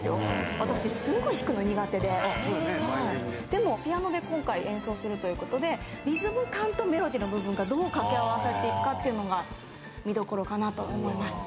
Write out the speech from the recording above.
でもピアノで今回演奏するということでリズム感とメロディーの部分がどう掛け合わさっていくかっていうのが見どころかなと思います。